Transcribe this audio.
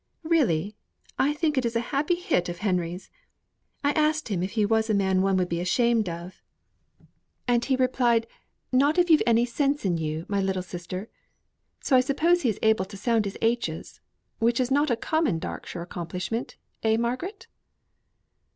Really, I think it is a happy hit of Henry's. I asked him if he was a man one would be ashamed of; and he replied, 'Not if you've any sense in you, my little sister.' So I suppose he is able to sound his h's, which is not a common Darkshire accomplishment eh, Margaret?"